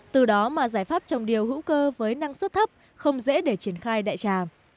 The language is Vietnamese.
từ đó mà giải pháp trồng điều hữu cơ với năng suất thấp không dễ để triển khai đại trà